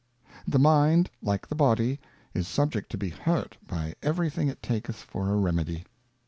The Mind, like the Body, is subject to be hurt by everything it taketh for a Remedy.